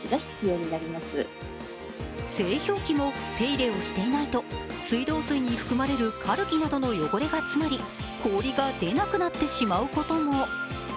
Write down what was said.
製氷機も手入れをしていないと、水道水に含まれるカルキなどの汚れが詰まり氷が出なくなってしまうことも。